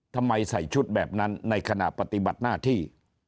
ทำไมใส่ชุดแบบนั้นในขณะปฏิบัติหน้าที่